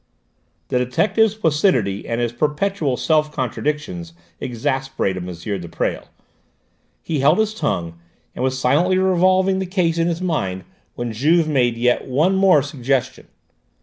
The detective's placidity and his perpetual self contradictions exasperated M. de Presles. He held his tongue, and was silently revolving the case in his mind when Juve made yet one more suggestion.